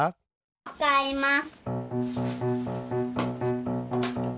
つかいます。